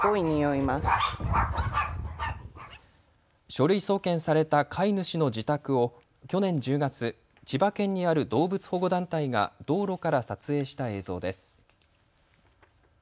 書類送検された飼い主の自宅を去年１０月、千葉県にある動物保護団体が道路から撮影した映像です。